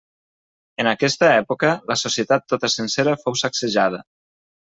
En aquesta època, la societat tota sencera fou sacsejada.